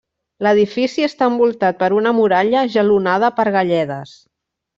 L'edifici està envoltat per una muralla jalonada per galledes.